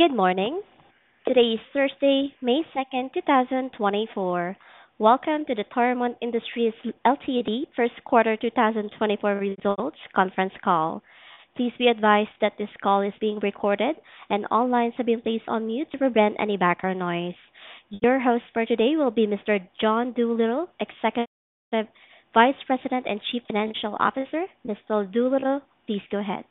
Good morning. Today is Thursday, May 2, 2024. Welcome to the Toromont Industries Ltd. 1st Quarter 2024 Results Conference Call. Please be advised that this call is being recorded, and online participants on mute to prevent any background noise. Your host for today will be Mr. John Doolittle, Executive Vice President and Chief Financial Officer. Mr. Doolittle, please go ahead.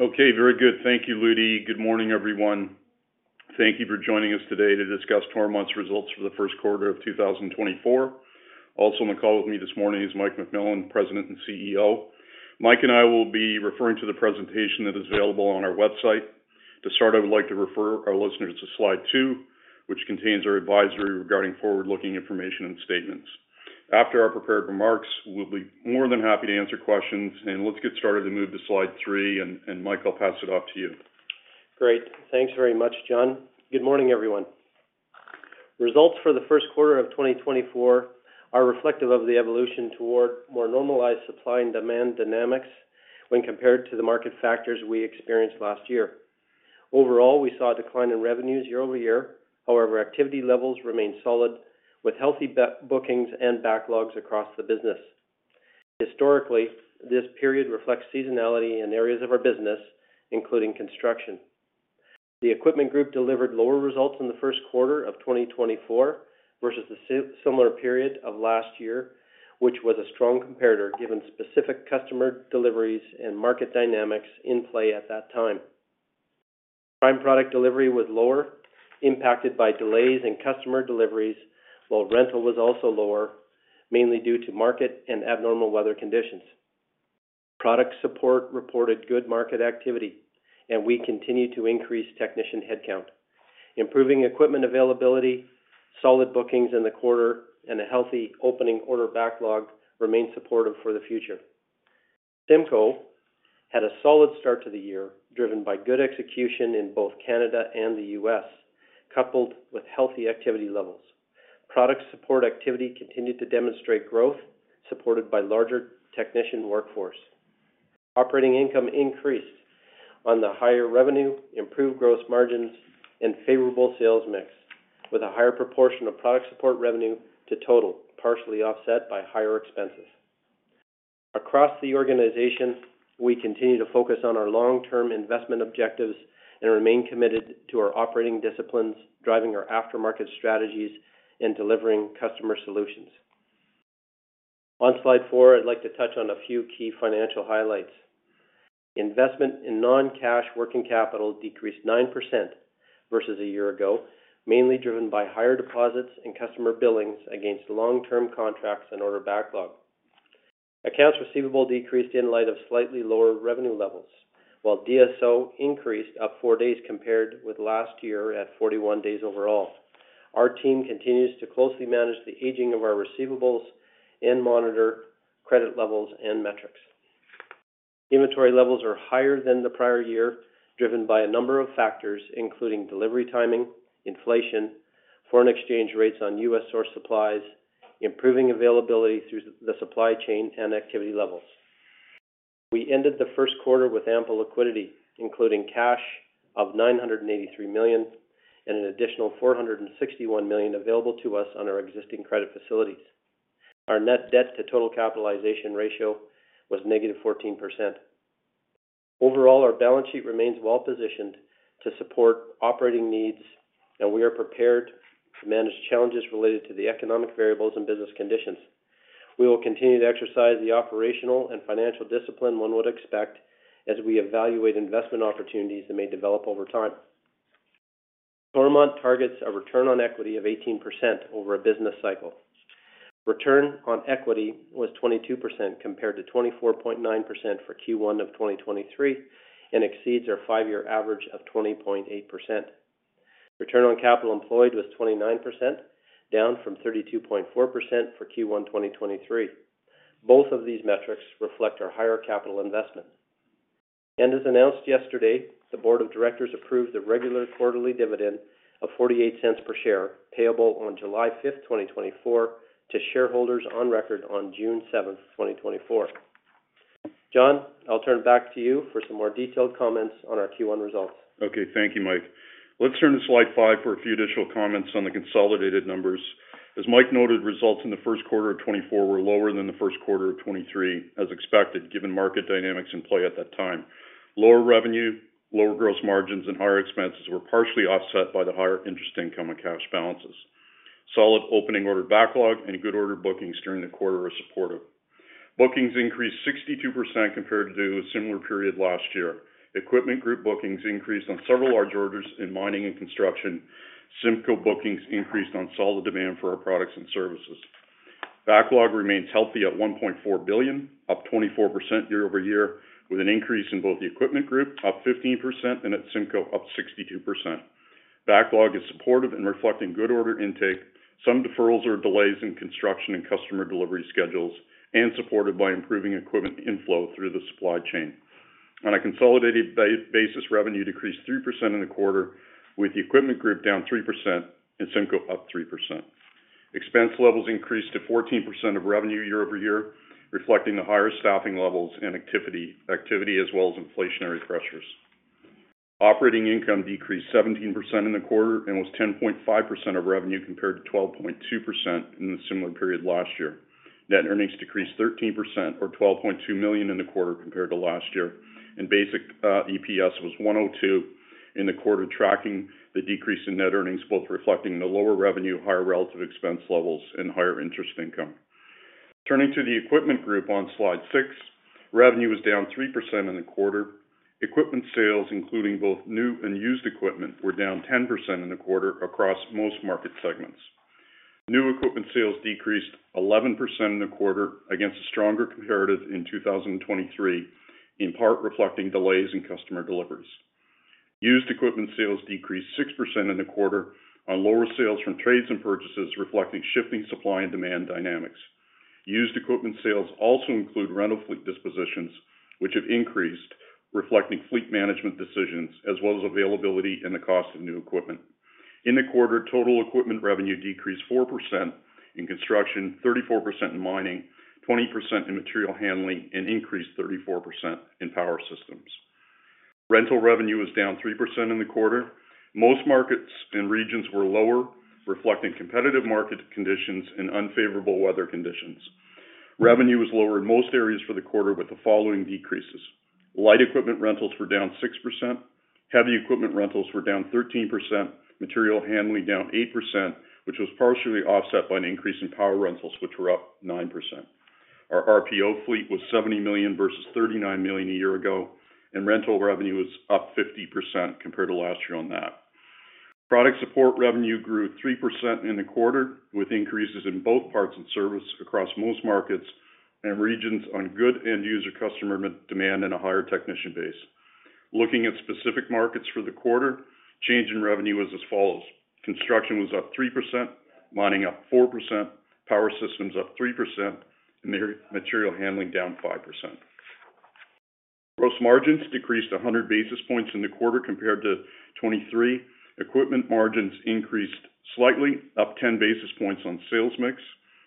Okay, very good. Thank you, Lumi. Good morning, everyone. Thank you for joining us today to discuss Toromont's results for the first quarter of 2024. Also on the call with me this morning is Mike McMillan, President and CEO. Mike and I will be referring to the presentation that is available on our website. To start, I would like to refer our listeners to Slide 2, which contains our advisory regarding forward-looking information and statements. After our prepared remarks, we'll be more than happy to answer questions, and let's get started and move to Slide 3, and Mike, I'll pass it off to you. Great. Thanks very much, John. Good morning, everyone. Results for the 1st Quarter of 2024 are reflective of the evolution toward more normalized supply and demand dynamics when compared to the market factors we experienced last year. Overall, we saw a decline in revenues year-over-year. However, activity levels remain solid, with healthy bookings and backlogs across the business. Historically, this period reflects seasonality in areas of our business, including construction. The Equipment Group delivered lower results in the 1st Quarter of 2024 versus the similar period of last year, which was a strong quarter given specific customer deliveries and market dynamics in play at that time. Prime product delivery was lower, impacted by delays in customer deliveries, while rental was also lower, mainly due to market and abnormal weather conditions. Product support reported good market activity, and we continue to increase technician headcount. Improving equipment availability, solid bookings in the quarter, and a healthy opening order backlog remain supportive for the future. CIMCO had a solid start to the year, driven by good execution in both Canada and the U.S., coupled with healthy activity levels. Product support activity continued to demonstrate growth, supported by larger technician workforce. Operating income increased on the higher revenue, improved gross margins, and favorable sales mix, with a higher proportion of product support revenue to total, partially offset by higher expenses. Across the organization, we continue to focus on our long-term investment objectives and remain committed to our operating disciplines, driving our aftermarket strategies, and delivering customer solutions. On Slide four, I'd like to touch on a few key financial highlights. Investment in non-cash working capital decreased 9% versus a year ago, mainly driven by higher deposits and customer billings against long-term contracts and order backlog. Accounts receivable decreased in light of slightly lower revenue levels, while DSO increased up four days compared with last year at 41 days overall. Our team continues to closely manage the aging of our receivables and monitor credit levels and metrics. Inventory levels are higher than the prior year, driven by a number of factors, including delivery timing, inflation, foreign exchange rates on U.S.-sourced supplies, improving availability through the supply chain, and activity levels. We ended the first quarter with ample liquidity, including cash of 983 million and an additional 461 million available to us on our existing credit facilities. Our net debt-to-total capitalization ratio was -14%. Overall, our balance sheet remains well-positioned to support operating needs, and we are prepared to manage challenges related to the economic variables and business conditions. We will continue to exercise the operational and financial discipline one would expect as we evaluate investment opportunities that may develop over time. Toromont targets a return on equity of 18% over a business cycle. Return on equity was 22% compared to 24.9% for Q1 of 2023 and exceeds our five-year average of 20.8%. Return on capital employed was 29%, down from 32.4% for Q1 2023. Both of these metrics reflect our higher capital investment. As announced yesterday, the Board of Directors approved a regular quarterly dividend of 0.48 per share payable on July 5, 2024, to shareholders on record on June 7, 2024. John, I'll turn back to you for some more detailed comments on our Q1 results. Okay, thank you, Mike. Let's turn to Slide five for a few additional comments on the consolidated numbers. As Mike noted, results in the 1st Quarter of 2024 were lower than the 1st Quarter of 2023, as expected, given market dynamics in play at that time. Lower revenue, lower gross margins, and higher expenses were partially offset by the higher interest income and cash balances. Solid opening order backlog and good order bookings during the quarter are supportive. Bookings increased 62% compared to a similar period last year. Equipment Group bookings increased on several large orders in mining and construction. CIMCO bookings increased on solid demand for our products and services. Backlog remains healthy at 1.4 billion, up 24% year-over-year, with an increase in both the Equipment Group, up 15%, and at CIMCO, up 62%. Backlog is supportive and reflecting good order intake. Some deferrals are delays in construction and customer delivery schedules, and supported by improving equipment inflow through the supply chain. On a consolidated basis, revenue decreased 3% in the quarter, with the Equipment Group down 3% and CIMCO up 3%. Expense levels increased to 14% of revenue year-over-year, reflecting the higher staffing levels and activity as well as inflationary pressures. Operating income decreased 17% in the quarter and was 10.5% of revenue compared to 12.2% in the similar period last year. Net earnings decreased 13%, or 12.2 million in the quarter compared to last year, and basic EPS was 1.02 in the quarter, tracking the decrease in net earnings, both reflecting the lower revenue, higher relative expense levels, and higher interest income. Turning to the equipment group on Slide six, revenue was down 3% in the quarter. Equipment sales, including both new and used equipment, were down 10% in the quarter across most market segments. New equipment sales decreased 11% in the quarter against a stronger comparative in 2023, in part reflecting delays in customer deliveries. Used equipment sales decreased 6% in the quarter on lower sales from trades and purchases, reflecting shifting supply and demand dynamics. Used equipment sales also include rental fleet dispositions, which have increased, reflecting fleet management decisions as well as availability and the cost of new equipment. In the quarter, total equipment revenue decreased 4% in construction, 34% in mining, 20% in material handling, and increased 34% in power systems. Rental revenue was down 3% in the quarter. Most markets and regions were lower, reflecting competitive market conditions and unfavorable weather conditions. Revenue was lower in most areas for the quarter with the following decreases: light equipment rentals were down 6%, heavy equipment rentals were down 13%, material handling down 8%, which was partially offset by an increase in power rentals, which were up 9%. Our RPO fleet was 70 million versus 39 million a year ago, and rental revenue was up 50% compared to last year on that. Product support revenue grew 3% in the quarter, with increases in both parts and service across most markets and regions on good end-user customer demand and a higher technician base. Looking at specific markets for the quarter, change in revenue was as follows: construction was up 3%, mining up 4%, power systems up 3%, and material handling down 5%. Gross margins decreased 100 basis points in the quarter compared to 2023. Equipment margins increased slightly, up 10 basis points on sales mix.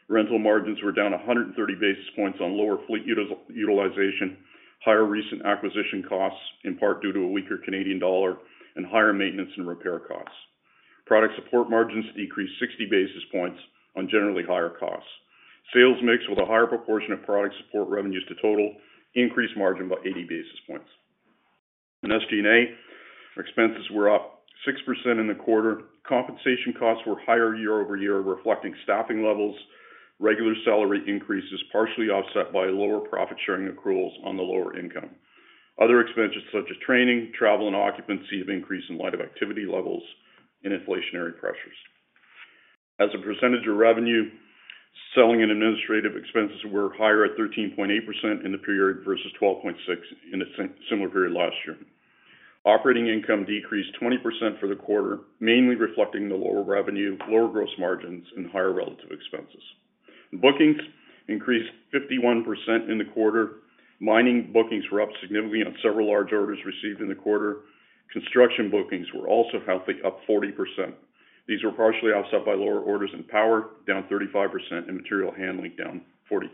Rental margins were down 130 basis points on lower fleet utilization, higher recent acquisition costs in part due to a weaker Canadian dollar, and higher maintenance and repair costs. Product support margins decreased 60 basis points on generally higher costs. Sales mix, with a higher proportion of product support revenues to total, increased margin by 80 basis points. In SG&A, expenses were up 6% in the quarter. Compensation costs were higher year-over-year, reflecting staffing levels, regular salary increases partially offset by lower profit-sharing accruals on the lower income. Other expenses, such as training, travel, and occupancy, have increased in light of activity levels and inflationary pressures. As a percentage of revenue, selling and administrative expenses were higher at 13.8% in the period versus 12.6% in a similar period last year. Operating income decreased 20% for the quarter, mainly reflecting the lower revenue, lower gross margins, and higher relative expenses. Bookings increased 51% in the quarter. Mining bookings were up significantly on several large orders received in the quarter. Construction bookings were also healthy, up 40%. These were partially offset by lower orders in power, down 35%, and material handling down 42%.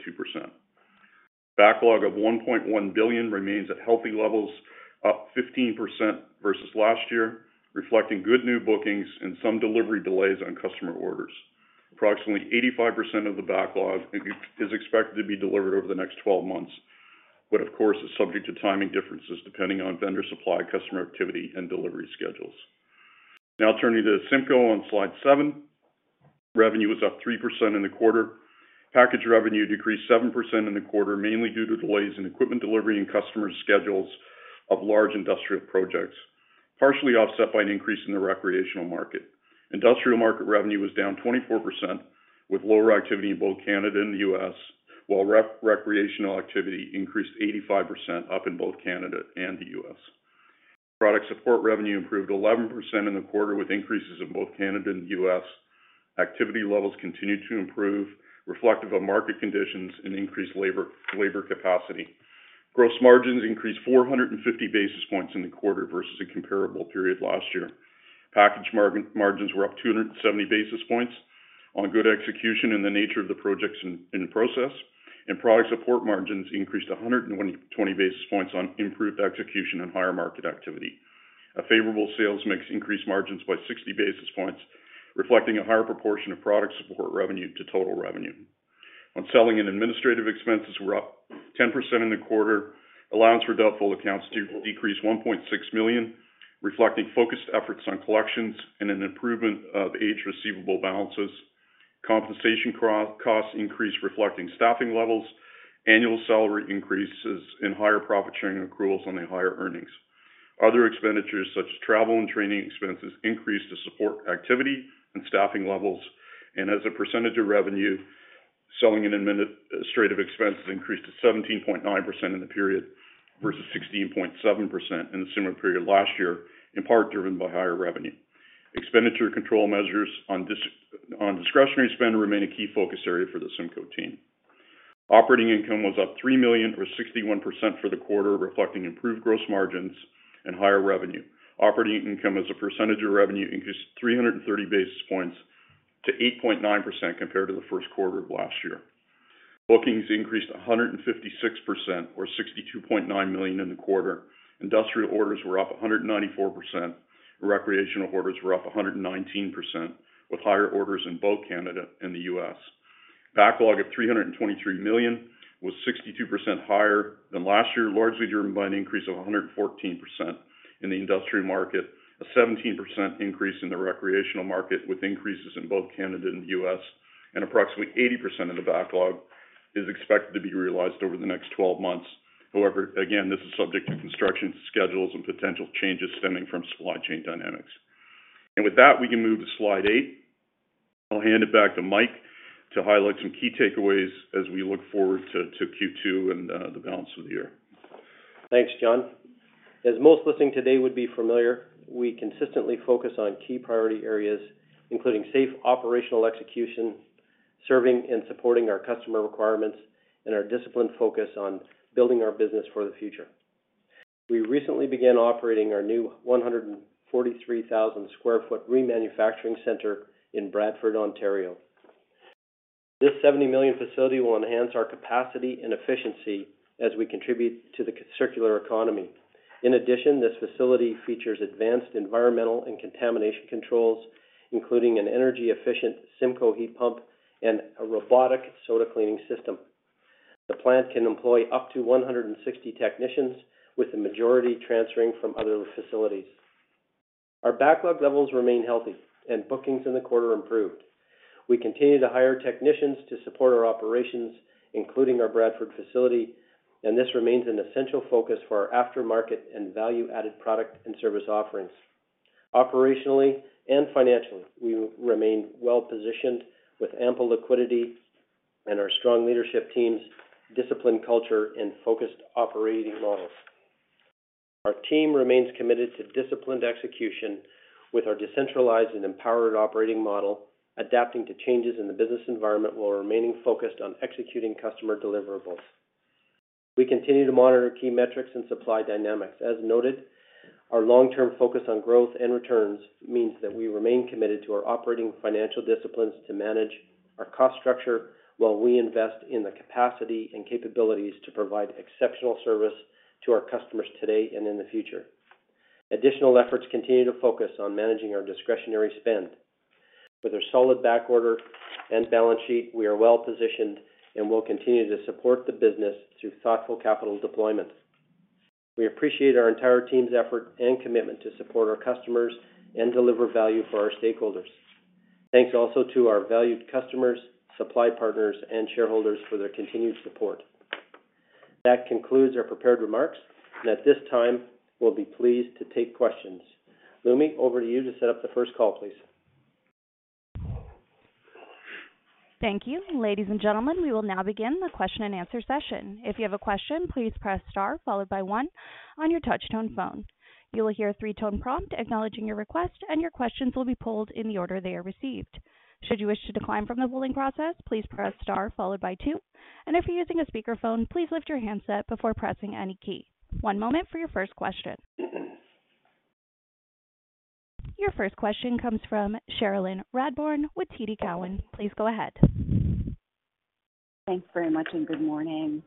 Backlog of 1.1 billion remains at healthy levels, up 15% versus last year, reflecting good new bookings and some delivery delays on customer orders. Approximately 85% of the backlog is expected to be delivered over the next 12 months, but of course is subject to timing differences depending on vendor supply, customer activity, and delivery schedules. Now I'll turn you to CIMCO on Slide seven. Revenue was up 3% in the quarter. Package revenue decreased 7% in the quarter, mainly due to delays in equipment delivery and customers' schedules of large industrial projects, partially offset by an increase in the recreational market. Industrial market revenue was down 24%, with lower activity in both Canada and the US, while recreational activity increased 85%, up in both Canada and the US. Product support revenue improved 11% in the quarter with increases in both Canada and the US. Activity levels continued to improve, reflective of market conditions and increased labor capacity. Gross margins increased 450 basis points in the quarter versus a comparable period last year. Package margins were up 270 basis points on good execution and the nature of the projects in process, and product support margins increased 120 basis points on improved execution and higher market activity. A favorable sales mix increased margins by 60 basis points, reflecting a higher proportion of product support revenue to total revenue. On selling and administrative expenses, we're up 10% in the quarter. Allowance for doubtful accounts decreased 1.6 million, reflecting focused efforts on collections and an improvement of aging receivable balances. Compensation costs increased, reflecting staffing levels, annual salary increases, and higher profit-sharing accruals on the higher earnings. Other expenditures, such as travel and training expenses, increased to support activity and staffing levels. As a percentage of revenue, selling and administrative expenses increased to 17.9% in the period versus 16.7% in a similar period last year, in part driven by higher revenue. Expenditure control measures on discretionary spend remain a key focus area for the CIMCO team. Operating income was up 3 million, or 61% for the quarter, reflecting improved gross margins and higher revenue. Operating income, as a percentage of revenue, increased 330 basis points to 8.9% compared to the first quarter of last year. Bookings increased 156%, or 62.9 million, in the quarter. Industrial orders were up 194%. Recreational orders were up 119%, with higher orders in both Canada and the U.S. Backlog of 323 million was 62% higher than last year, largely driven by an increase of 114% in the industrial market, a 17% increase in the recreational market with increases in both Canada and the U.S., and approximately 80% of the backlog is expected to be realized over the next 12 months. However, again, this is subject to construction schedules and potential changes stemming from supply chain dynamics. And with that, we can move to Slide eight. I'll hand it back to Mike to highlight some key takeaways as we look forward to, to Q2 and, the balance of the year. Thanks, John. As most listening today would be familiar, we consistently focus on key priority areas, including safe operational execution, serving and supporting our customer requirements, and our disciplined focus on building our business for the future. We recently began operating our new 143,000 sq ft remanufacturing center in Bradford, Ontario. This 70 million facility will enhance our capacity and efficiency as we contribute to the circular economy. In addition, this facility features advanced environmental and contamination controls, including an energy-efficient CIMCO heat pump and a robotic soda cleaning system. The plant can employ up to 160 technicians, with the majority transferring from other facilities. Our backlog levels remain healthy, and bookings in the quarter improved. We continue to hire technicians to support our operations, including our Bradford facility, and this remains an essential focus for our aftermarket and value-added product and service offerings. Operationally and financially, we remain well-positioned with ample liquidity and our strong leadership teams, disciplined culture, and focused operating models. Our team remains committed to disciplined execution with our decentralized and empowered operating model, adapting to changes in the business environment while remaining focused on executing customer deliverables. We continue to monitor key metrics and supply dynamics. As noted, our long-term focus on growth and returns means that we remain committed to our operating financial disciplines to manage our cost structure while we invest in the capacity and capabilities to provide exceptional service to our customers today and in the future. Additional efforts continue to focus on managing our discretionary spend. With our solid backlog and balance sheet, we are well-positioned and will continue to support the business through thoughtful capital deployment. We appreciate our entire team's effort and commitment to support our customers and deliver value for our stakeholders. Thanks also to our valued customers, supply partners, and shareholders for their continued support. That concludes our prepared remarks, and at this time, we'll be pleased to take questions. Lumi, over to you to set up the first call, please. Thank you. Ladies and gentlemen, we will now begin the question-and-answer session. If you have a question, please press star followed by one on your touchtone phone. You will hear a three-tone prompt acknowledging your request, and your questions will be pulled in the order they are received. Should you wish to decline from the polling process, please press star followed by two. And if you're using a speakerphone, please lift your handset before pressing any key. One moment for your first question. Your first question comes from Cherilyn Radbourne with TD Cowen. Please go ahead. Thanks very much, and good morning.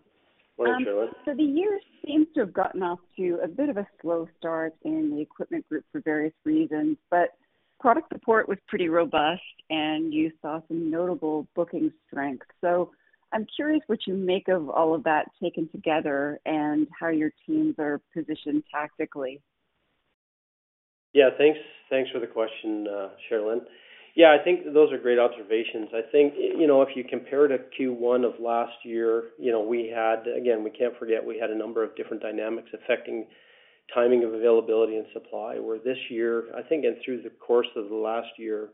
What is Cherilyn? The year seems to have gotten off to a bit of a slow start in the Equipment Group for various reasons, but product support was pretty robust, and you saw some notable booking strength. So I'm curious what you make of all of that taken together and how your teams are positioned tactically? Yeah, thanks. Thanks for the question, Cherilyn. Yeah, I think those are great observations. I think, you know, if you compare it to Q1 of last year, you know, we had again. We can't forget we had a number of different dynamics affecting timing of availability and supply, where this year I think, and through the course of the last year,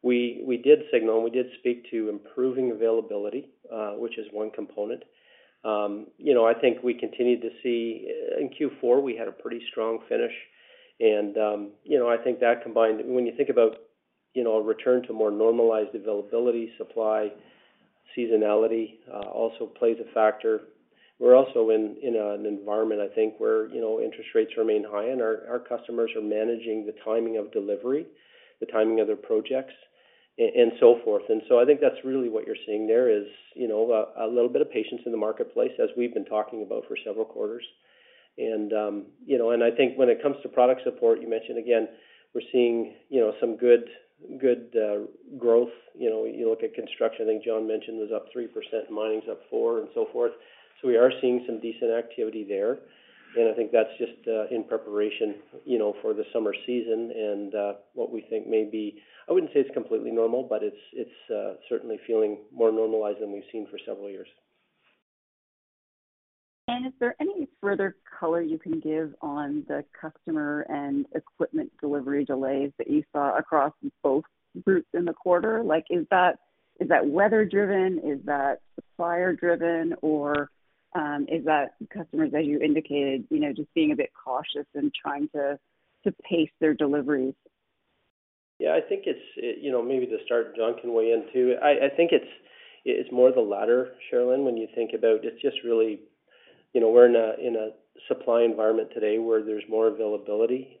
we did signal, and we did speak to improving availability, which is one component. You know, I think we continued to see in Q4. We had a pretty strong finish, and, you know, I think that combined when you think about, you know, a return to more normalized availability, supply, seasonality also plays a factor. We're also in an environment, I think, where, you know, interest rates remain high, and our customers are managing the timing of delivery, the timing of their projects, and so forth. I think that's really what you're seeing there is, you know, a little bit of patience in the marketplace, as we've been talking about for several quarters. You know, I think when it comes to product support, you mentioned, again, we're seeing, you know, some good growth. You know, you look at construction, I think John mentioned was up 3%, and mining's up 4%, and so forth. So we are seeing some decent activity there, and I think that's just, in preparation, you know, for the summer season and what we think may be. I wouldn't say it's completely normal, but it's certainly feeling more normalized than we've seen for several years. Is there any further color you can give on the customer and equipment delivery delays that you saw across both groups in the quarter? Like, is that weather-driven? Is that supplier-driven, or is that customers, as you indicated, you know, just being a bit cautious and trying to pace their deliveries? Yeah, I think it's, you know, maybe to start, John can weigh in too. I, I think it's, it's more the latter, Cherilyn, when you think about it's just really, you know, we're in a, in a supply environment today where there's more availability,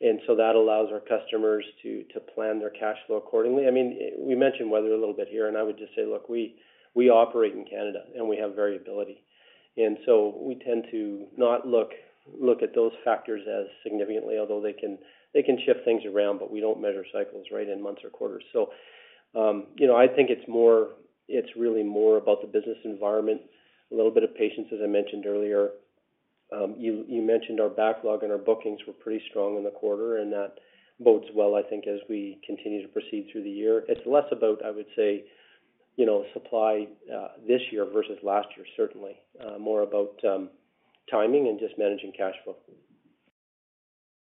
and so that allows our customers to, to plan their cash flow accordingly. I mean, we mentioned weather a little bit here, and I would just say, look, we, we operate in Canada, and we have variability. And so we tend to not look, look at those factors as significantly, although they can, they can shift things around, but we don't measure cycles right in months or quarters. So, you know, I think it's more, it's really more about the business environment, a little bit of patience, as I mentioned earlier. You mentioned our backlog, and our bookings were pretty strong in the quarter, and that bodes well, I think, as we continue to proceed through the year. It's less about, I would say, you know, supply, this year versus last year, certainly, more about, timing and just managing cash flow.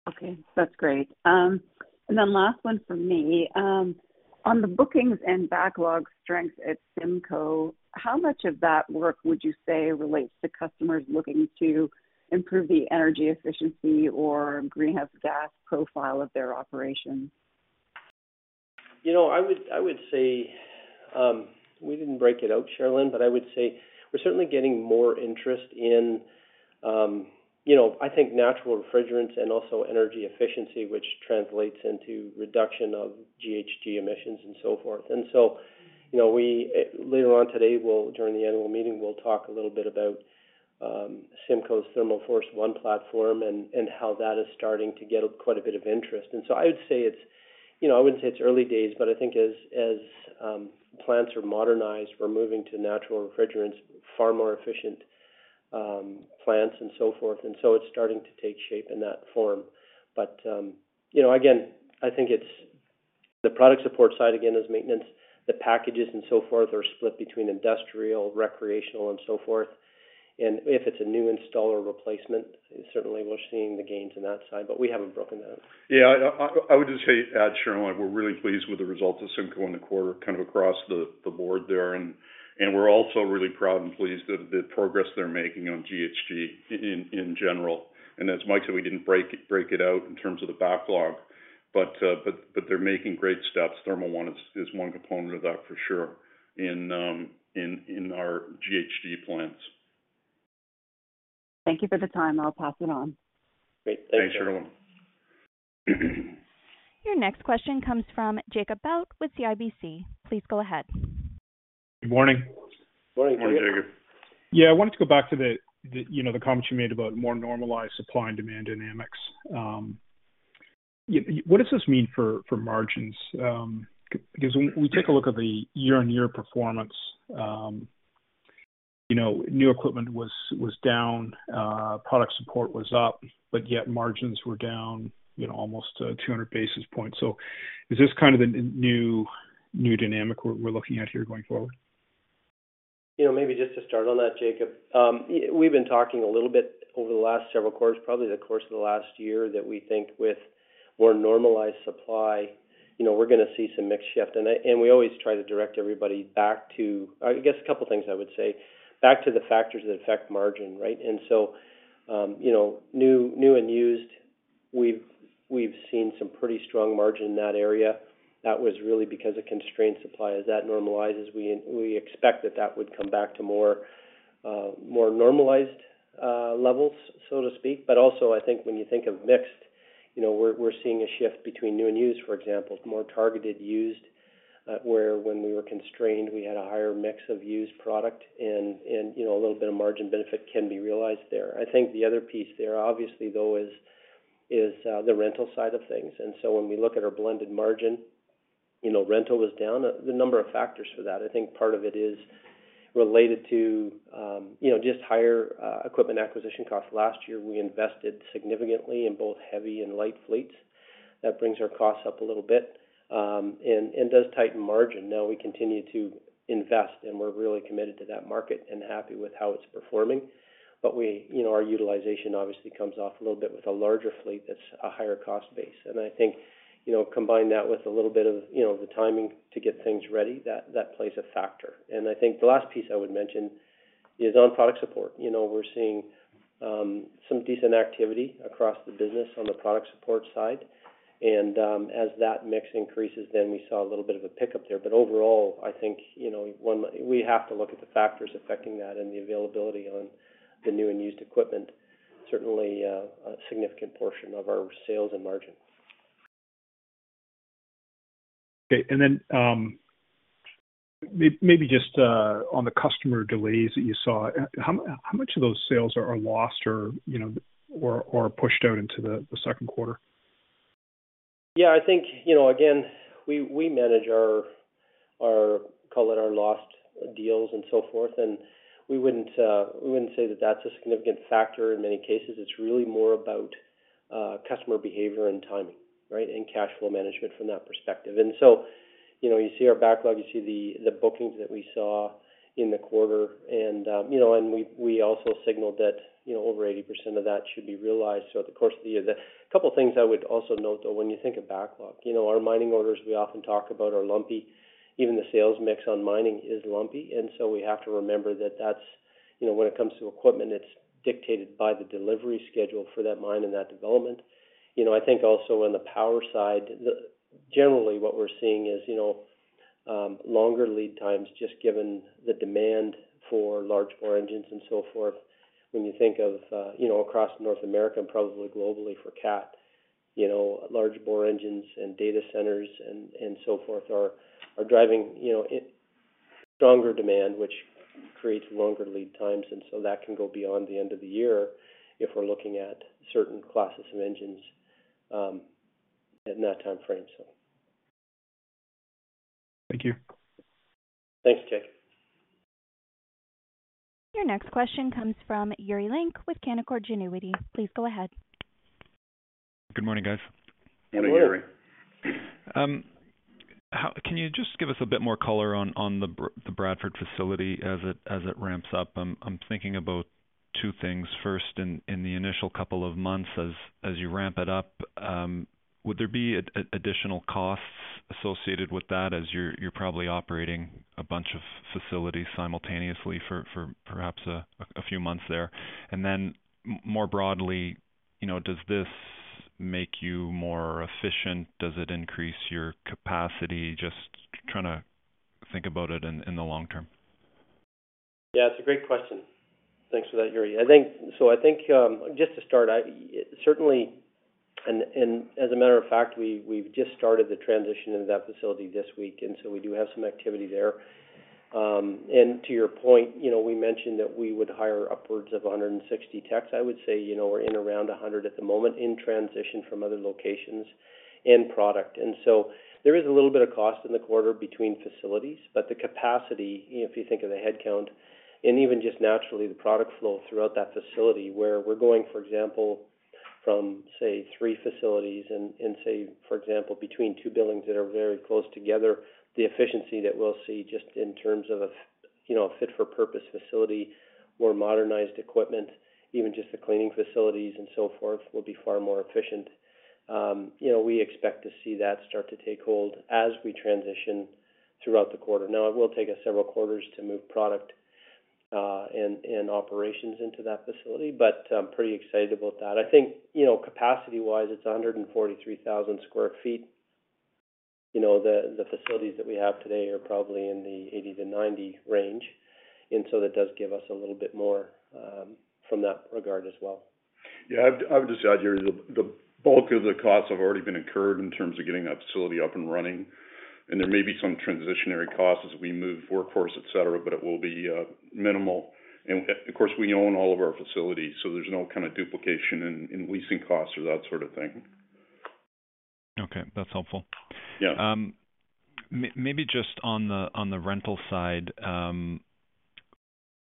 Okay. That's great. And then, last one from me. On the bookings and backlog strengths at CIMCO, how much of that work would you say relates to customers looking to improve the energy efficiency or greenhouse gas profile of their operations? You know, I would I would say, we didn't break it out, Cherilyn, but I would say we're certainly getting more interest in, you know, I think natural refrigerants and also energy efficiency, which translates into reduction of GHG emissions and so forth. And so, you know, we later on today, we'll during the annual meeting, we'll talk a little bit about, CIMCO's Thermal Force One platform and, and how that is starting to get quite a bit of interest. And so I would say it's you know, I wouldn't say it's early days, but I think as, as, plants are modernized, we're moving to natural refrigerants, far more efficient, plants, and so forth. And so it's starting to take shape in that form. But, you know, again, I think it's the product support side, again, is maintenance. The packages and so forth are split between industrial, recreational, and so forth. If it's a new install or replacement, certainly, we're seeing the gains in that side, but we haven't broken that up. Yeah, I would just say, Cherilyn, we're really pleased with the results of CIMCO in the quarter kind of across the board there, and we're also really proud and pleased at the progress they're making on GHG in general. And as Mike said, we didn't break it out in terms of the backlog, but they're making great steps. Thermal Force One is one component of that for sure in our GHG plants. Thank you for the time. I'll pass it on. Great. Thanks, Cherilyn. Thanks, Cherilyn. Your next question comes from Jacob Bout with CIBC. Please go ahead. Good morning. Morning, Jacob. Morning, Jacob. Yeah, I wanted to go back to the you know, the comment you made about more normalized supply and demand dynamics. Why, what does this mean for margins? Because when we take a look at the year-on-year performance, you know, new equipment was down, product support was up, but yet margins were down, you know, almost 200 basis points. So is this kind of the new dynamic we're looking at here going forward? You know, maybe just to start on that, Jacob, we've been talking a little bit over the last several quarters, probably the course of the last year, that we think with more normalized supply, you know, we're gonna see some mixed shift. And I, and we always try to direct everybody back to I guess a couple things, I would say, back to the factors that affect margin, right? And so, you know, new, new and used, we've, we've seen some pretty strong margin in that area. That was really because of constrained supply. As that normalizes, we, we expect that that would come back to more, more normalized, levels, so to speak. But also, I think when you think of mixed, you know, we're, we're seeing a shift between new and used, for example. More targeted used, where when we were constrained, we had a higher mix of used product, and, you know, a little bit of margin benefit can be realized there. I think the other piece there, obviously, though, is the rental side of things. And so when we look at our blended margin, you know, rental was down. The number of factors for that, I think part of it is related to, you know, just higher equipment acquisition costs. Last year, we invested significantly in both heavy and light fleets. That brings our costs up a little bit, and does tighten margin. Now, we continue to invest, and we're really committed to that market and happy with how it's performing. But we, you know, our utilization, obviously, comes off a little bit with a larger fleet that's a higher cost base. I think, you know, combine that with a little bit of, you know, the timing to get things ready. That plays a factor. I think the last piece I would mention is on product support. You know, we're seeing some decent activity across the business on the product support side. As that mix increases, then we saw a little bit of a pickup there. But overall, I think, you know, one we have to look at the factors affecting that and the availability on the new and used equipment, certainly a significant portion of our sales and margin. Okay. Then, maybe just, on the customer delays that you saw, how much of those sales are lost or, you know, or pushed out into the second quarter? Yeah, I think, you know, again, we manage our call it our lost deals and so forth, and we wouldn't say that that's a significant factor in many cases. It's really more about customer behavior and timing, right, and cash flow management from that perspective. And so, you know, you see our backlog, you see the bookings that we saw in the quarter, and, you know, and we also signaled that, you know, over 80% of that should be realized. So the course of the year the couple things I would also note, though, when you think of backlog, you know, our mining orders, we often talk about are lumpy. Even the sales mix on mining is lumpy. So we have to remember that that's you know, when it comes to equipment, it's dictated by the delivery schedule for that mine and that development. You know, I think also on the power side, generally, what we're seeing is, you know, longer lead times just given the demand for large bore engines and so forth. When you think of, you know, across North America and probably globally for Cat, you know, large bore engines and data centers and so forth are driving, you know, a stronger demand, which creates longer lead times. And so that can go beyond the end of the year if we're looking at certain classes of engines, in that time frame, so. Thank you. Thanks, Jacob. Your next question comes from Yuri Lynk with Canaccord Genuity. Please go ahead. Good morning, guys. Morning, Yuri. How can you just give us a bit more color on the Bradford facility as it ramps up? I'm thinking about two things. First, in the initial couple of months, as you ramp it up, would there be additional costs associated with that as you're probably operating a bunch of facilities simultaneously for perhaps a few months there? And then more broadly, you know, does this make you more efficient? Does it increase your capacity? Just trying to think about it in the long term. Yeah, it's a great question. Thanks for that, Yuri. I think, just to start, I certainly, and as a matter of fact, we've just started the transition into that facility this week, and so we do have some activity there. And to your point, you know, we mentioned that we would hire upwards of 160 techs. I would say, you know, we're in around 100 at the moment in transition from other locations and product. So there is a little bit of cost in the quarter between facilities, but the capacity you know, if you think of the headcount and even just naturally the product flow throughout that facility where we're going, for example, from, say, three facilities and, say, for example, between two buildings that are very close together, the efficiency that we'll see just in terms of a, you know, a fit-for-purpose facility, more modernized equipment, even just the cleaning facilities and so forth will be far more efficient. You know, we expect to see that start to take hold as we transition throughout the quarter. Now, it will take us several quarters to move product and operations into that facility, but pretty excited about that. I think, you know, capacity-wise, it's 143,000 sq ft. You know, the facilities that we have today are probably in the 80-90 range, and so that does give us a little bit more, from that regard as well. Yeah, I've just said, Yuri, the bulk of the costs have already been incurred in terms of getting that facility up and running. And there may be some transitional costs as we move workforce, etc., but it will be minimal. And of course, we own all of our facilities, so there's no kind of duplication in leasing costs or that sort of thing. Okay. That's helpful. Yeah. Maybe just on the rental side, a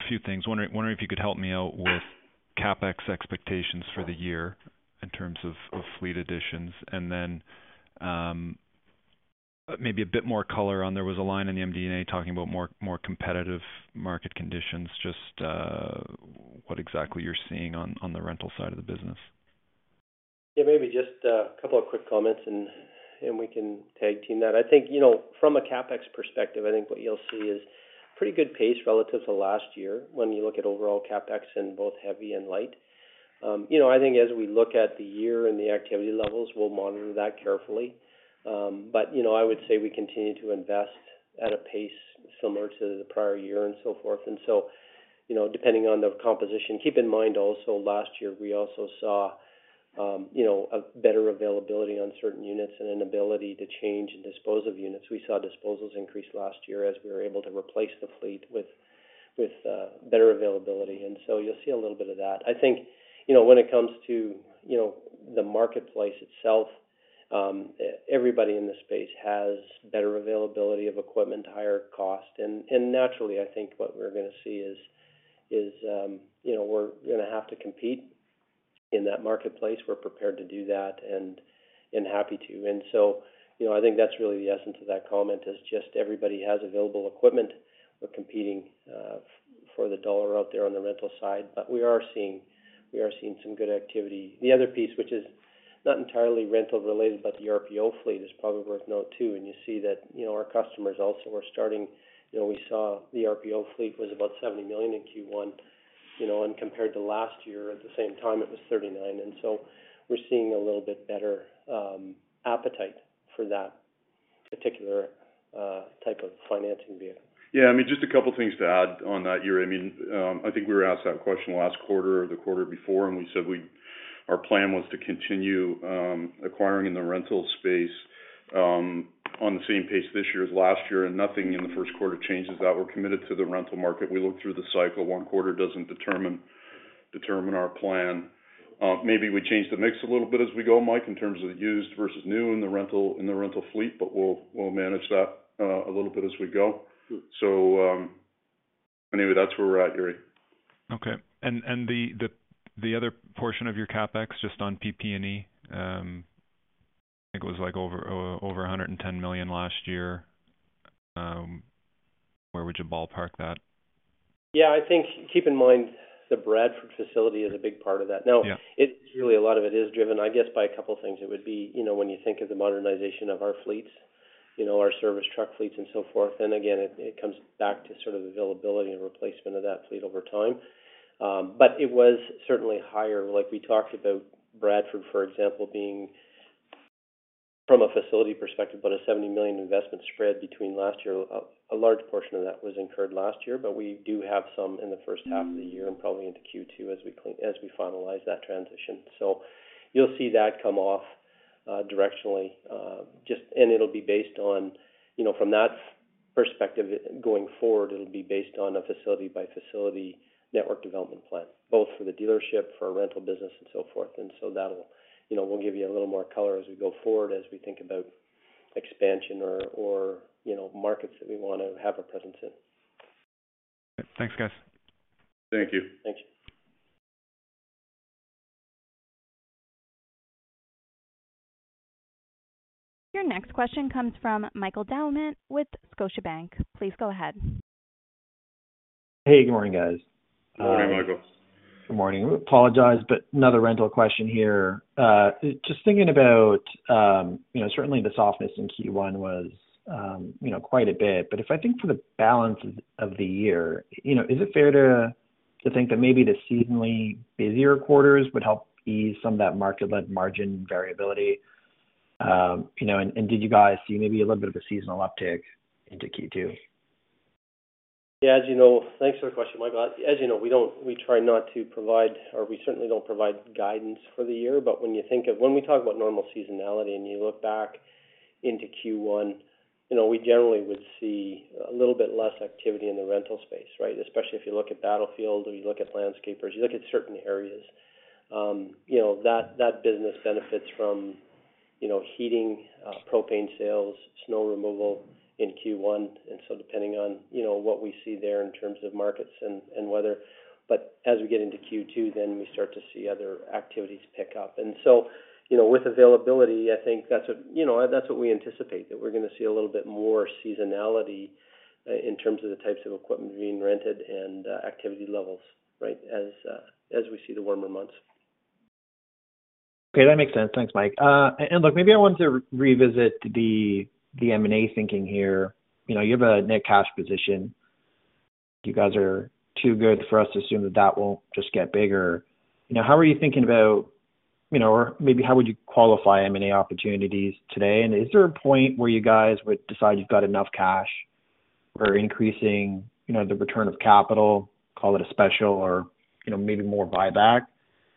few things. Wondering if you could help me out with CapEx expectations for the year in terms of fleet additions, and then, maybe a bit more color on there was a line in the MD&A talking about more competitive market conditions, just what exactly you're seeing on the rental side of the business. Yeah, maybe just a couple of quick comments, and we can tag team that. I think, you know, from a CapEx perspective, I think what you'll see is pretty good pace relative to last year when you look at overall CapEx in both heavy and light. You know, I think as we look at the year and the activity levels, we'll monitor that carefully. But, you know, I would say we continue to invest at a pace similar to the prior year and so forth. And so, you know, depending on the composition, keep in mind also, last year, we also saw, you know, a better availability on certain units and an ability to change and dispose of units. We saw disposals increase last year as we were able to replace the fleet with better availability. And so you'll see a little bit of that. I think, you know, when it comes to, you know, the marketplace itself, everybody in the space has better availability of equipment, higher cost. And naturally, I think what we're gonna see is, you know, we're gonna have to compete in that marketplace. We're prepared to do that and happy to. And so, you know, I think that's really the essence of that comment is just everybody has available equipment. We're competing for the dollar out there on the rental side, but we are seeing some good activity. The other piece, which is not entirely rental-related, but the RPO fleet is probably worth noting too. And you see that, you know, our customers also, we're starting, you know, we saw the RPO fleet was about 70 million in Q1, you know, and compared to last year, at the same time, it was 39 million. And so we're seeing a little bit better appetite for that particular type of financing vehicle. Yeah, I mean, just a couple things to add on that, Yuri. I mean, I think we were asked that question last quarter or the quarter before, and we said our plan was to continue acquiring in the rental space on the same pace this year as last year, and nothing in the first quarter changes that. We're committed to the rental market. We look through the cycle. One quarter doesn't determine our plan. Maybe we change the mix a little bit as we go, Mike, in terms of the used versus new in the rental fleet, but we'll manage that a little bit as we go. So, anyway, that's where we're at, Yuri. Okay. And the other portion of your CapEx, just on PP&E, I think it was like over 110 million last year. Where would you ballpark that? Yeah, I think keep in mind the Bradford facility is a big part of that. Now. Yeah. It's really a lot of it is driven, I guess, by a couple things. It would be, you know, when you think of the modernization of our fleets, you know, our service truck fleets and so forth, then again, it comes back to sort of availability and replacement of that fleet over time. But it was certainly higher. Like, we talked about Bradford, for example, being from a facility perspective, but a 70 million investment spread between last year, a large portion of that was incurred last year, but we do have some in the first half of the year and probably into Q2 as we clean as we finalize that transition. So you'll see that come off, directionally, it'll be based on, you know, from that perspective, going forward, it'll be based on a facility-by-facility network development plan, both for the dealership, for our rental business, and so forth. And so that'll, you know, we'll give you a little more color as we go forward as we think about expansion or, you know, markets that we wanna have a presence in. Okay. Thanks, guys. Thank you. Thanks. Your next question comes from Michael Doumet with Scotiabank. Please go ahead. Hey, good morning, guys. Good morning, Michael. Good morning. Apologize, but another rental question here. Just thinking about, you know, certainly the softness in Q1 was, you know, quite a bit, but if I think for the balance of, of the year, you know, is it fair to, to think that maybe the seasonally busier quarters would help ease some of that market-led margin variability? You know, and, and did you guys see maybe a little bit of a seasonal uptick into Q2? Yeah, as you know, thanks for the question, Michael. As you know, we don't we try not to provide or we certainly don't provide guidance for the year, but when you think of when we talk about normal seasonality and you look back into Q1, you know, we generally would see a little bit less activity in the rental space, right, especially if you look at Battlefield or you look at landscapers, you look at certain areas. You know, that, that business benefits from, you know, heating, propane sales, snow removal in Q1, and so depending on, you know, what we see there in terms of markets and, and weather. But as we get into Q2, then we start to see other activities pick up. And so, you know, with availability, I think that's what you know, that's what we anticipate, that we're gonna see a little bit more seasonality, in terms of the types of equipment being rented and activity levels, right, as we see the warmer months. Okay. That makes sense. Thanks, Mike. Look, maybe I wanted to revisit the M&A thinking here. You know, you have a net cash position. You guys are too good for us to assume that that won't just get bigger. You know, how are you thinking about, you know, or maybe how would you qualify M&A opportunities today? And is there a point where you guys would decide you've got enough cash for increasing, you know, the return of capital, call it a special, or, you know, maybe more buyback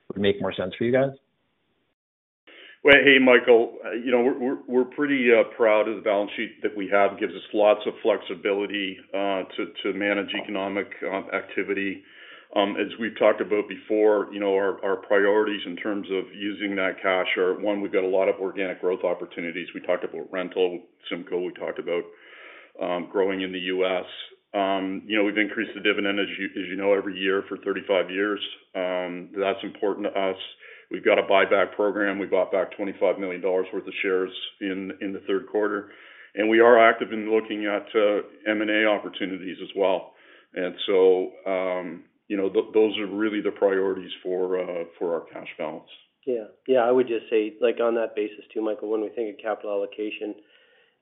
would make more sense for you guys? Well, hey, Michael. You know, we're pretty proud of the balance sheet that we have. It gives us lots of flexibility to manage economic activity. As we've talked about before, you know, our priorities in terms of using that cash are one, we've got a lot of organic growth opportunities. We talked about rental. CIMCO, we talked about growing in the U.S. You know, we've increased the dividend, as you know, every year for 35 years. That's important to us. We've got a buyback program. We bought back 25 million dollars worth of shares in the third quarter. We are active in looking at M&A opportunities as well. So, you know, those are really the priorities for our cash balance. Yeah. Yeah, I would just say, like, on that basis too, Michael, when we think of capital allocation,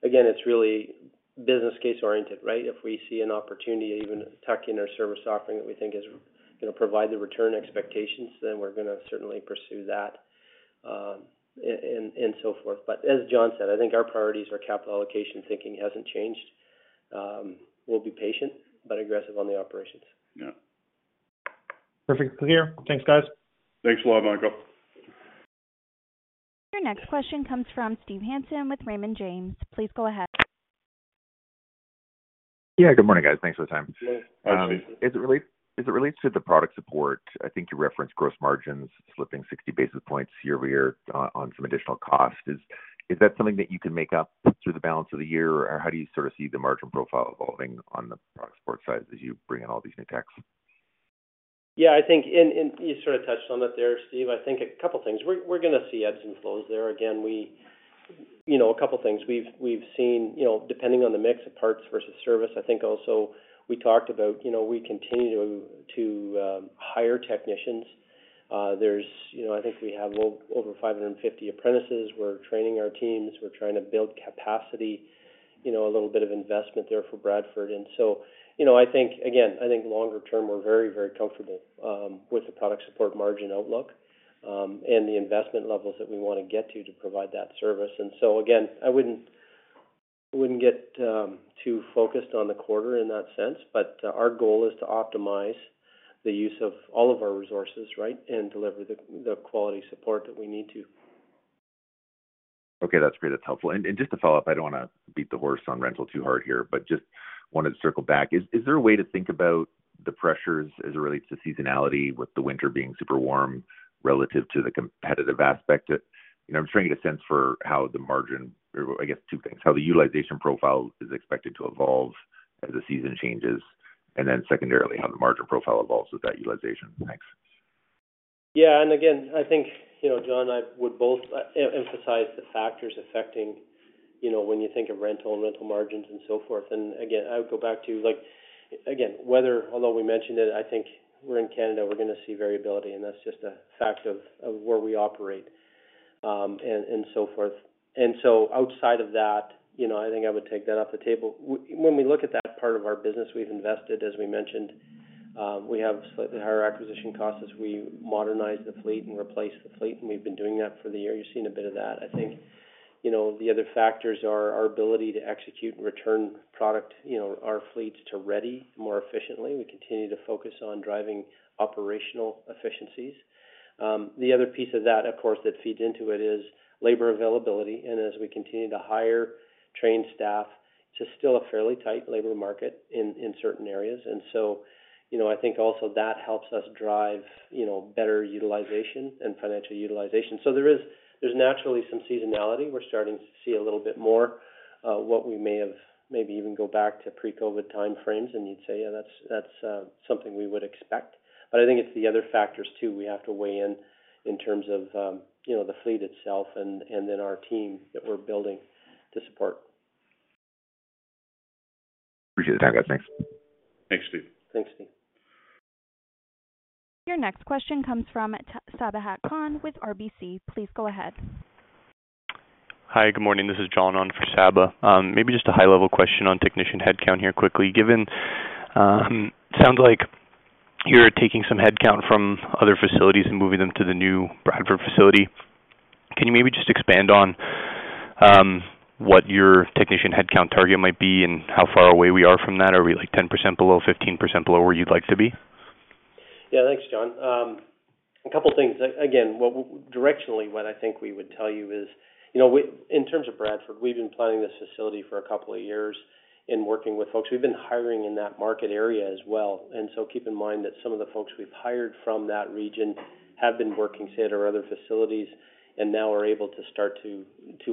again, it's really business case-oriented, right? If we see an opportunity, even a technical service offering that we think is gonna provide the return expectations, then we're gonna certainly pursue that, and so forth. But as John said, I think our priorities, our capital allocation thinking, hasn't changed. We'll be patient but aggressive on the operations. Yeah. Perfect. Clear. Thanks, guys. Thanks a lot, Michael. Your next question comes from Steve Hansen with Raymond James. Please go ahead. Yeah, good morning, guys. Thanks for the time. Good morning. Is it related? Is it related to the product support? I think you referenced gross margins slipping 60 basis points year-over-year on, on some additional cost. Is that something that you can make up through the balance of the year, or how do you sort of see the margin profile evolving on the product support side as you bring in all these new techs? Yeah, I think, and you sort of touched on that there, Steve. I think a couple things. We're gonna see ebbs and flows there. Again, you know, a couple things. We've seen, you know, depending on the mix of parts versus service. I think also we talked about, you know, we continue to hire technicians. There's, you know, I think we have over 550 apprentices. We're training our teams. We're trying to build capacity, you know, a little bit of investment there for Bradford. And so, you know, I think, again, I think longer term, we're very, very comfortable with the product support margin outlook and the investment levels that we wanna get to to provide that service. And so again, I wouldn't get too focused on the quarter in that sense, but our goal is to optimize the use of all of our resources, right, and deliver the quality support that we need to. Okay. That's great. That's helpful. And just to follow up, I don't wanna beat the horse on rental too hard here, but just wanted to circle back. Is there a way to think about the pressures as it relates to seasonality, with the winter being super warm relative to the competitive aspect of you know, I'm just trying to get a sense for how the margin or, I guess, two things. How the utilization profile is expected to evolve as the season changes, and then secondarily, how the margin profile evolves with that utilization. Thanks. Yeah. And again, I think, you know, John, I would both emphasize the factors affecting, you know, when you think of rental and rental margins and so forth. And again, I would go back to, like, again, weather although we mentioned it, I think we're in Canada. We're gonna see variability, and that's just a fact of where we operate, and so forth. And so outside of that, you know, I think I would take that off the table. When we look at that part of our business, we've invested, as we mentioned. We have slightly higher acquisition costs as we modernize the fleet and replace the fleet, and we've been doing that for the year. You're seeing a bit of that. I think, you know, the other factors are our ability to execute and return product, you know, our fleets to ready more efficiently. We continue to focus on driving operational efficiencies. The other piece of that, of course, that feeds into it is labor availability. As we continue to hire trained staff, it's still a fairly tight labor market in certain areas. So, you know, I think also that helps us drive, you know, better utilization and financial utilization. There is naturally some seasonality. We're starting to see a little bit more, what we may have maybe even go back to pre-COVID timeframes, and you'd say, "Yeah, that's something we would expect." I think it's the other factors too we have to weigh in terms of, you know, the fleet itself and then our team that we're building to support. Appreciate the time, guys. Thanks. Thanks, Steve. Thanks, Steve. Your next question comes from Sabahat Khan with RBC. Please go ahead. Hi, good morning. This is John on for Saba. Maybe just a high-level question on technician headcount here quickly. Given it sounds like you're taking some headcount from other facilities and moving them to the new Bradford facility. Can you maybe just expand on what your technician headcount target might be and how far away we are from that? Are we, like, 10% below, 15% below where you'd like to be? Yeah, thanks, John. A couple things. Again, what directionally I think we would tell you is, you know, we in terms of Bradford, we've been planning this facility for a couple of years and working with folks. We've been hiring in that market area as well. And so keep in mind that some of the folks we've hired from that region have been working, say, at our other facilities and now are able to start to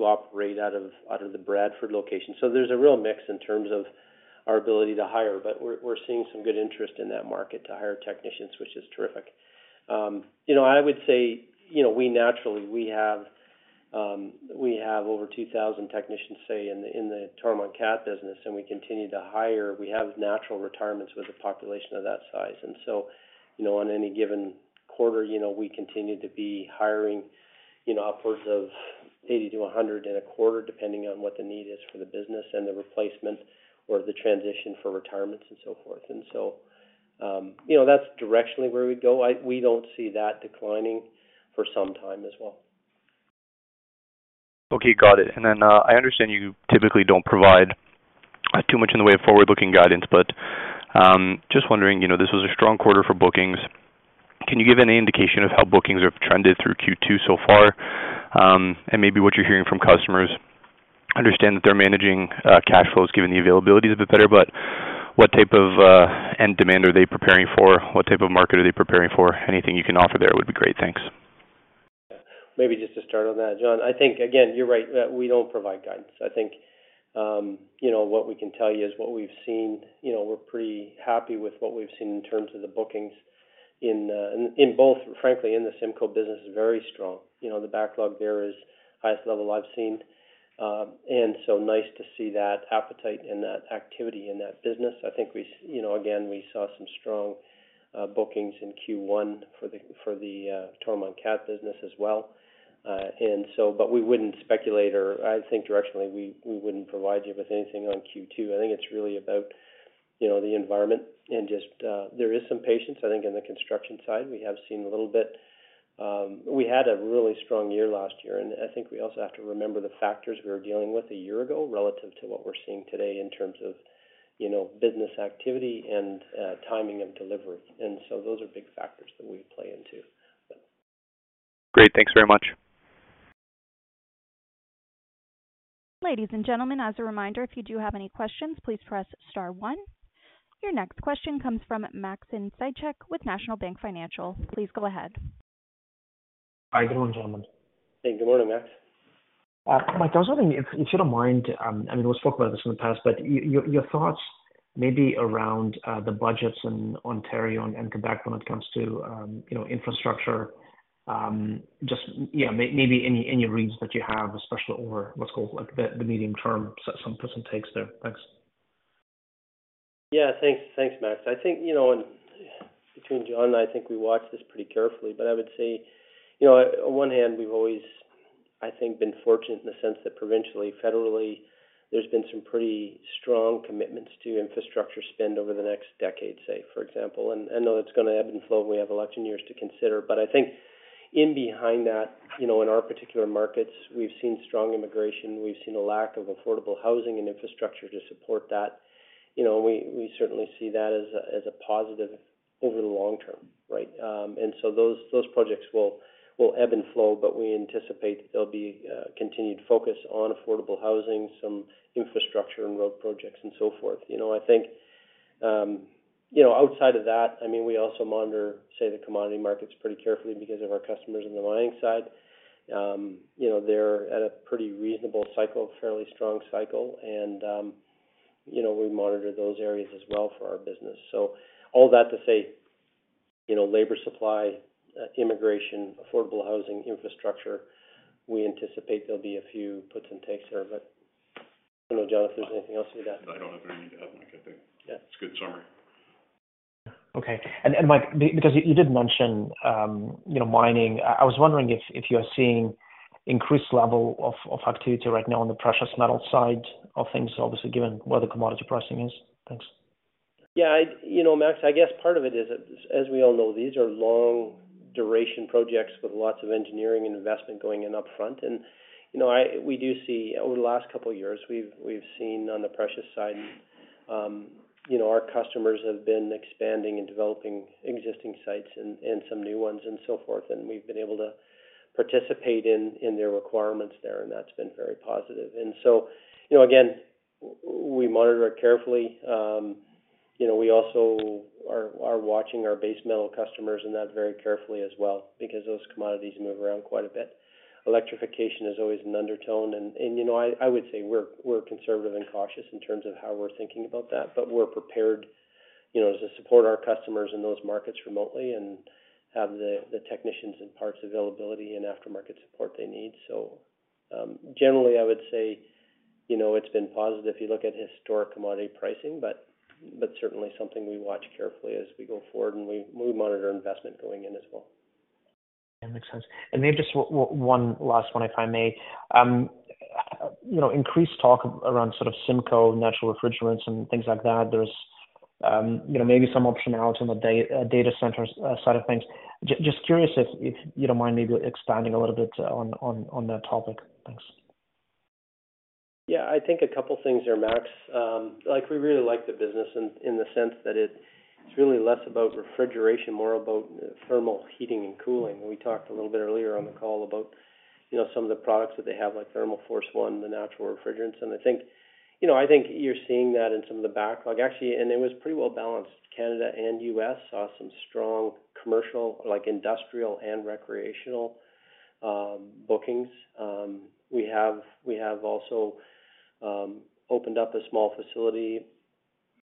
operate out of the Bradford location. So there's a real mix in terms of our ability to hire, but we're seeing some good interest in that market to hire technicians, which is terrific. You know, I would say, you know, we naturally have over 2,000 technicians, say, in the Toromont Cat business, and we continue to hire. We have natural retirements with a population of that size. So, you know, on any given quarter, you know, we continue to be hiring, you know, upwards of 80-100 in a quarter, depending on what the need is for the business and the replacement or the transition for retirements and so forth. So, you know, that's directionally where we'd go. We don't see that declining for some time as well. Okay. Got it. And then, I understand you typically don't provide too much in the way of forward-looking guidance, but just wondering, you know, this was a strong quarter for bookings. Can you give any indication of how bookings have trended through Q2 so far, and maybe what you're hearing from customers? I understand that they're managing cash flows given the availability's a bit better, but what type of end demand are they preparing for? What type of market are they preparing for? Anything you can offer there would be great. Thanks. Yeah. Maybe just to start on that, John, I think again, you're right that we don't provide guidance. I think, you know, what we can tell you is what we've seen. You know, we're pretty happy with what we've seen in terms of the bookings in both, frankly, in the CIMCO business, very strong. You know, the backlog there is the highest level I've seen. And so, nice to see that appetite and that activity in that business. I think, you know, again, we saw some strong bookings in Q1 for the Toromont Cat business as well. And so, but we wouldn't speculate or I think directionally, we wouldn't provide you with anything on Q2. I think it's really about, you know, the environment and just, there is some patience, I think, in the construction side. We have seen a little bit. We had a really strong year last year, and I think we also have to remember the factors we were dealing with a year ago relative to what we're seeing today in terms of, you know, business activity and, timing of delivery. And so those are big factors that we play into, but. Great. Thanks very much. Ladies and gentlemen, as a reminder, if you do have any questions, please press star one. Your next question comes from Maxim Sytchev with National Bank Financial. Please go ahead. Hi, good morning, gentlemen. Hey, good morning, Max. Mike, I was wondering if you don't mind. I mean, we've spoken about this in the past, but your thoughts maybe around the budgets in Ontario and Quebec when it comes to, you know, infrastructure, just maybe any reads that you have, especially over what's called, like, the medium term, so some perspectives there. Thanks. Yeah, thanks. Thanks, Max. I think, you know, and between John and I, I think we watch this pretty carefully, but I would say, you know, on one hand, we've always, I think, been fortunate in the sense that provincially, federally, there's been some pretty strong commitments to infrastructure spend over the next decade, say, for example. And I know that's gonna ebb and flow, and we have election years to consider. But I think in behind that, you know, in our particular markets, we've seen strong immigration. We've seen a lack of affordable housing and infrastructure to support that. You know, we certainly see that as a positive over the long term, right? And so those projects will ebb and flow, but we anticipate that there'll be continued focus on affordable housing, some infrastructure and road projects, and so forth. You know, I think, you know, outside of that, I mean, we also monitor, say, the commodity markets pretty carefully because of our customers on the mining side. You know, they're at a pretty reasonable cycle, fairly strong cycle, and, you know, we monitor those areas as well for our business. So all that to say, you know, labor supply, immigration, affordable housing, infrastructure, we anticipate there'll be a few puts and takes there, but I don't know, John, if there's anything else you would add to that. I don't have anything to add, Mike. I think. Yeah. It's a good summary. Okay. And Mike, because you did mention, you know, mining, I was wondering if you are seeing increased level of activity right now on the precious metal side of things, obviously, given what the commodity pricing is. Thanks. Yeah. I, you know, Max, I guess part of it is, as we all know, these are long-duration projects with lots of engineering and investment going in upfront. And, you know, we do see over the last couple years, we've seen on the precious side, you know, our customers have been expanding and developing existing sites and some new ones and so forth. And we've been able to participate in their requirements there, and that's been very positive. And so, you know, again, we monitor it carefully. You know, we also are watching our base metal customers in that very carefully as well because those commodities move around quite a bit. Electrification is always an undertone, and, you know, I would say we're conservative and cautious in terms of how we're thinking about that, but we're prepared, you know, to support our customers in those markets remotely and have the technicians and parts availability and aftermarket support they need. So, generally, I would say, you know, it's been positive if you look at historic commodity pricing, but certainly something we watch carefully as we go forward, and we monitor investment going in as well. Yeah, makes sense. And maybe just one last one, if I may. You know, increased talk around sort of CIMCO, natural refrigerants, and things like that. There's, you know, maybe some optionality on the data centers side of things. Just curious if, if you don't mind maybe expanding a little bit on, on, on that topic. Thanks. Yeah, I think a couple things there, Max. Like, we really like the business in, in the sense that it's really less about refrigeration, more about thermal heating and cooling. We talked a little bit earlier on the call about, you know, some of the products that they have, like Thermal Force One, the natural refrigerants. And I think you know, I think you're seeing that in some of the backlog, actually, and it was pretty well balanced. Canada and U.S. saw some strong commercial, like, industrial and recreational, bookings. We have we have also, opened up a small facility,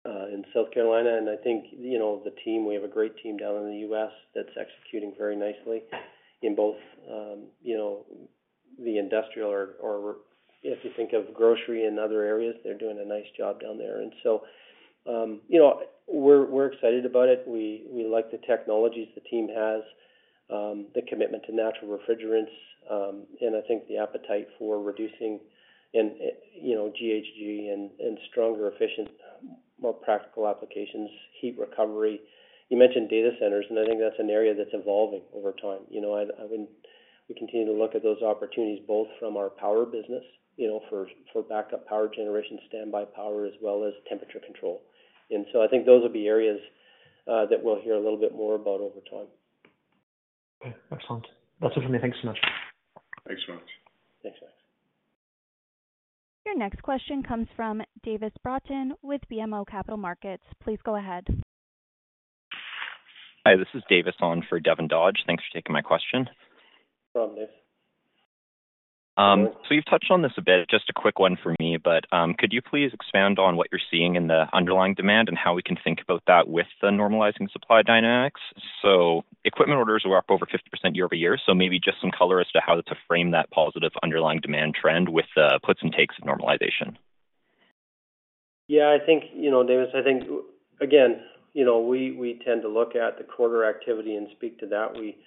in South Carolina, and I think, you know, the team we have a great team down in the U.S. that's executing very nicely in both, you know, the industrial or, or if you think of grocery and other areas, they're doing a nice job down there. And so, you know, we're, we're excited about it. We, we like the technologies the team has, the commitment to natural refrigerants, and I think the appetite for reducing and, you know, GHG and, and stronger, efficient, more practical applications, heat recovery. You mentioned data centers, and I think that's an area that's evolving over time. You know, I, I wouldn't we continue to look at those opportunities both from our power business, you know, for, for backup power generation, standby power, as well as temperature control. And so I think those will be areas that we'll hear a little bit more about over time. Okay. Excellent. That's all from me. Thanks so much. Thanks, Max. Thanks, Max. Your next question comes from Davis Broughton with BMO Capital Markets. Please go ahead. Hi, this is Davis on for Devin Dodge. Thanks for taking my question. No problem, Dave. So you've touched on this a bit. Just a quick one for me, but could you please expand on what you're seeing in the underlying demand and how we can think about that with the normalizing supply dynamics? So equipment orders were up over 50% year-over-year, so maybe just some color as to how to frame that positive underlying demand trend with the puts and takes of normalization. Yeah, I think, you know, Davis, I think again, you know, we tend to look at the quarter activity and speak to that. We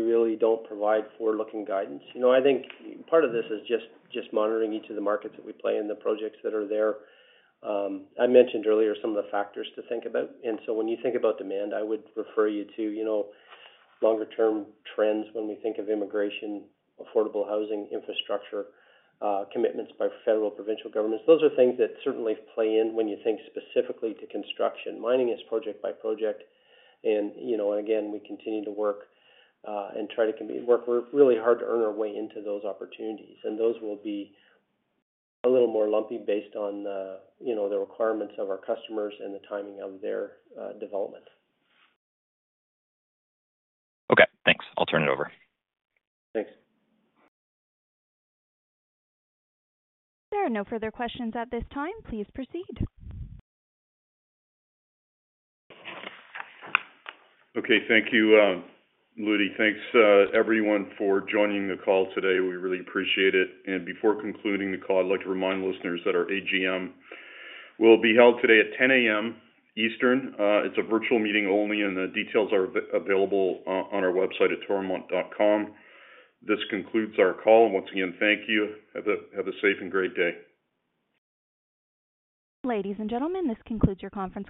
really don't provide forward-looking guidance. You know, I think part of this is just monitoring each of the markets that we play in, the projects that are there. I mentioned earlier some of the factors to think about. And so when you think about demand, I would refer you to, you know, longer-term trends when we think of immigration, affordable housing, infrastructure, commitments by federal, provincial governments. Those are things that certainly play in when you think specifically to construction. Mining is project by project, and, you know, and again, we continue to work, and try to commit work. We're really hard to earn our way into those opportunities, and those will be a little more lumpy based on the, you know, the requirements of our customers and the timing of their, development. Okay. Thanks. I'll turn it over. Thanks. There are no further questions at this time. Please proceed. Okay. Thank you, Ludy. Thanks, everyone for joining the call today. We really appreciate it. Before concluding the call, I'd like to remind listeners that our AGM will be held today at 10:00 A.M. Eastern. It's a virtual meeting only, and the details are available on our website at toromont.com. This concludes our call, and once again, thank you. Have a have a safe and great day. Ladies and gentlemen, this concludes your conference.